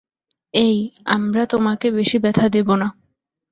এই, আমরা তোমাকে বেশি ব্যথা দেবো না।